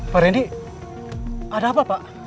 pak rendy ada apa pak